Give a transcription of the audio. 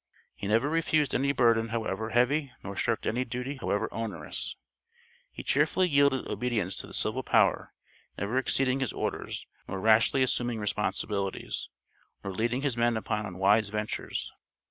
He never refused any burden however heavy nor shirked any duty however onerous; he cheerfully yielded obedience to the civil power, never exceeding his orders, nor rashly assuming responsibilities, nor leading his men upon unwise ventures.